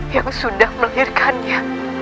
yang sudah melahirkannya